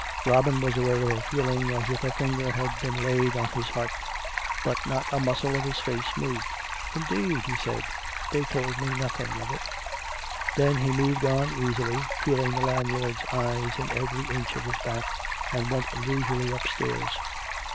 Robin was aware of a feeling as if a finger had been laid on his heart; but not a muscle of his face moved. " Indeed !" he said. " Thej^ told me nothing of it." COME RACK! COME ROPE! 281 Then he moved on easily, feeling the landlord's eyes in every inch of his back, and went leisurely upstairs.